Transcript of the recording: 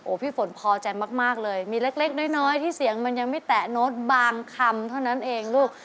พี่ฝนพอใจมากเลยมีเล็กน้อยที่เสียงมันยังไม่แตะโน้ตบางคำเท่านั้นเองลูก